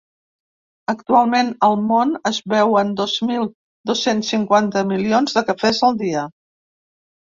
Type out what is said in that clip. Actualment, al món es beuen dos mil dos-cents cinquanta milions de cafès al dia.